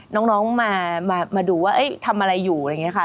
น้องมาดูว่าทำอะไรอยู่อะไรอย่างนี้ค่ะ